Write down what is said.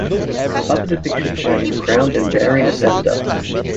Other depictions show him crowned and bearing a scepter.